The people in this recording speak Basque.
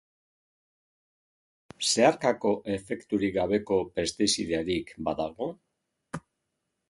Zeharkako efekturik gabeko pestizidarik badago?